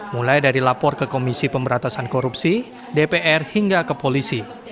mulai dari lapor ke komisi pemberatasan korupsi dpr hingga ke polisi